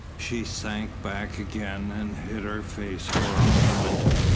She sank back again and hid her face for a moment.